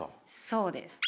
そうです。